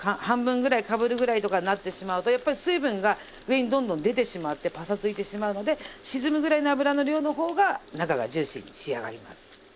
半分ぐらいかぶるぐらいとかになってしまうとやっぱり水分が上にどんどん出てしまってパサついてしまうので沈むぐらいの油の量の方が中がジューシーに仕上がります。